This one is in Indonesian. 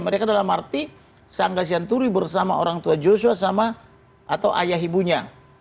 mereka dalam arti sangga sianturi bersama orang tua joshua sama atau ayah ibunya